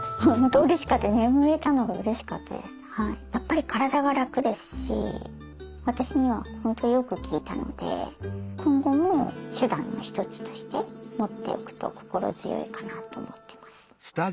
やっぱり体が楽ですし私には本当よく効いたので今後も手段の一つとして持っておくと心強いかなと思ってます。